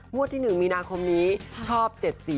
มวดที่หนึ่งมีนาคมนี้ชอบ๗๔๕๗๔๖